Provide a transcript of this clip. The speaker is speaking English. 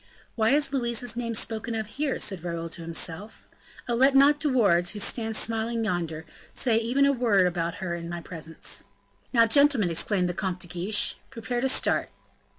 "Why is Louise's name spoken of here," said Raoul to himself; "oh! let not De Wardes, who stands smiling yonder, even say a word about her in my presence." "Now, gentlemen," exclaimed the Comte de Guiche, "prepare to start."